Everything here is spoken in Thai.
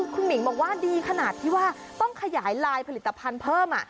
คุณหมิงบอกว่าดีขนาดที่ว่าต้องขยายลายผลิตภัณฑ์เพิ่ม